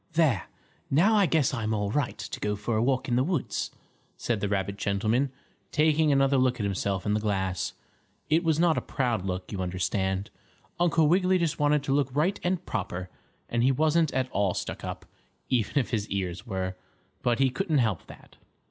"There, now I guess I'm all right to go for a walk in the woods," said the rabbit gentleman, taking another look at himself in the glass. It was not a proud look, you understand. Uncle Wiggily just wanted to look right and proper, and he wasn't at all stuck up, even if his ears were, but he couldn't help that.